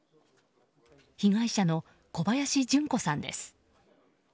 被害者の小林順子さんです。